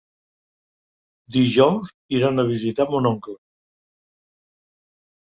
Dijous iran a visitar mon oncle.